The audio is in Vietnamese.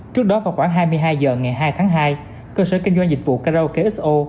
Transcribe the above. trước đó vào khoảng hai mươi hai h ngày hai tháng hai cơ sở kinh doanh dịch vụ karaoke xo